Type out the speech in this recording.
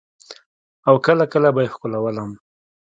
او کله کله به يې ښکلولم.